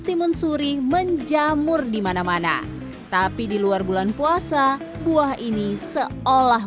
timun suri menjamur dimana mana tapi di luar bulan puasa buah ini seolah